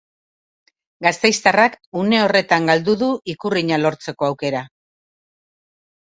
Gasteiztarrak une horretan galdu du ikurrina lortzeko aukera.